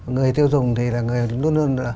người tiêu dùng thì là người luôn luôn